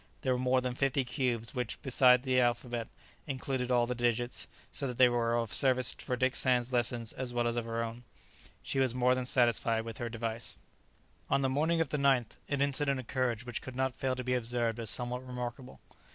There were more than fifty cubes, which, besides the alphabet, included all the digits; so that they were of service for Dick Sands' lessons as well as for her own. She was more than satisfied with her device. On the morning of the 9th an incident occurred which could not fail to be observed as somewhat remarkable.